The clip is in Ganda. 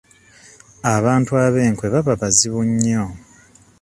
Abantu ab'enkwe baba bazibu nnyo.